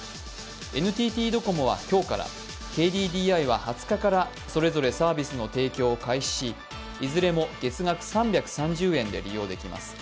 ＮＴＴドコモは今日からＫＤＤＩは２０日からぞれぞれサービスの提供を開始し、いずれも月額３３０円で利用できます